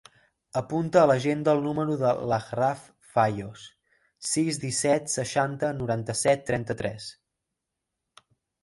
Apunta a l'agenda el número de l'Achraf Fayos: sis, disset, seixanta, noranta-set, trenta-tres.